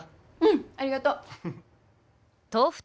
うんありがとう。